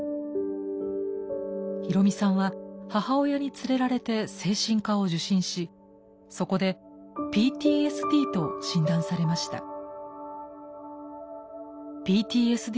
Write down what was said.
ヒロミさんは母親に連れられて精神科を受診しそこでＰＴＳＤと診断されました。